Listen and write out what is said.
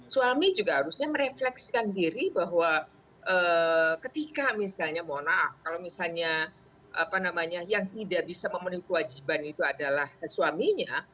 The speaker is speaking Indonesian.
suami juga harusnya merefleksikan diri bahwa ketika misalnya mohon maaf kalau misalnya yang tidak bisa memenuhi kewajiban itu adalah suaminya